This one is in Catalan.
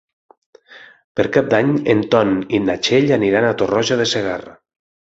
Per Cap d'Any en Ton i na Txell aniran a Tarroja de Segarra.